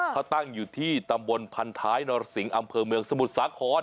เขาตั้งอยู่ที่ตำบลพันท้ายนรสิงห์อำเภอเมืองสมุทรสาคร